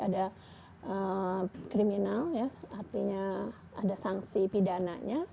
ada kriminal ya artinya ada sanksi pidananya